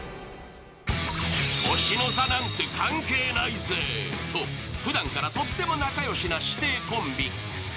年の差なんて関係ないぜ！とふだんからとっても仲良しな師弟コンビ。